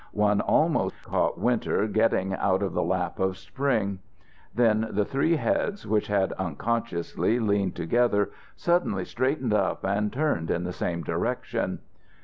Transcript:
One almost caught Winter getting out of the lap of Spring. Then the three heads which had unconsciously leaned together suddenly straightened up and turned in the same direction.